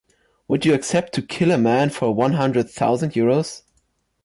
Would you accept to kill a man for one hundred thousand euros